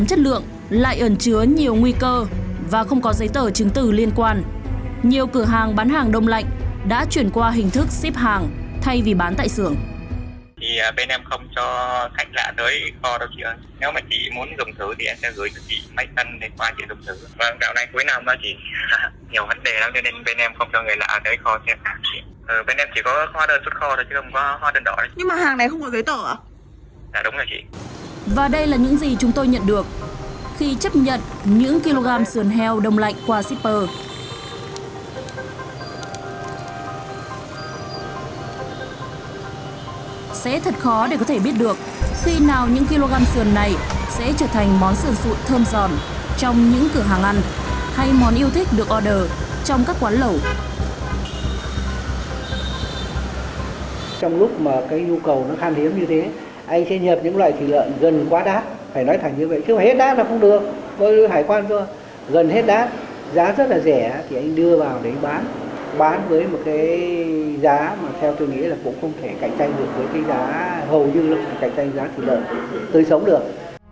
anh sẽ nhập những loại thịt lợn gần quá đắt phải nói thẳng như vậy chứ hết đắt là không được gần hết đắt giá rất là rẻ thì anh đưa vào để bán bán với một cái giá mà theo tôi nghĩ là cũng không thể cạnh tranh được với cái giá hầu như là không thể cạnh tranh giá thịt lợn tôi sống được